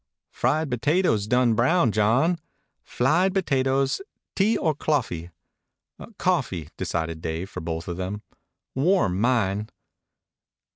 "Fried potatoes done brown, John." "Flied plotatoes. Tea or cloffee?" "Coffee," decided Dave for both of them. "Warm mine."